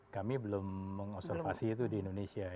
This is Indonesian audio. kami belum mengonservasi itu di indonesia